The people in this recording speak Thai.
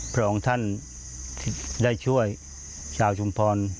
พระองค์ท่านได้ช่วยชาวชุมพร